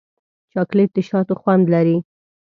چاکلېټ د شاتو خوند لري.